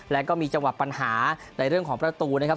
แล้วก็มีจังหวะปัญหาในเรื่องของประตูนะครับ